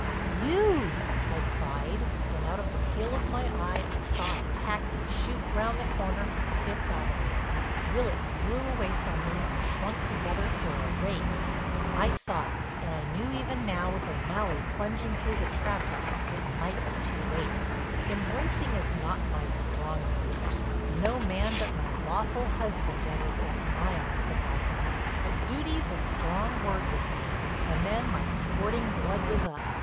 "You!" I cried and out of the tail of my eye I saw a taxi shoot round the corner from Fifth Avenue. Willitts drew away from me, shrunk together for a race. I saw it and I knew even now, with O'Malley plunging through the traffic, it might be too late. Embracing is not my strong suit, no man but my lawful husband ever felt my arms about him. But duty's a strong word with me and then my sporting blood was up.